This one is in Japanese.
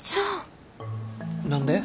何で？